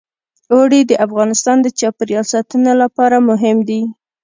اوړي د افغانستان د چاپیریال ساتنې لپاره مهم دي.